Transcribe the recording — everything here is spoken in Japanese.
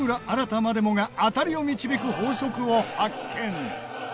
新までもが当たりを導く法則を発見！